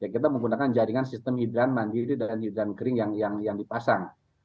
kita menggunakan jaringan sistem hidran mandiri dan hidran kering yang dipasang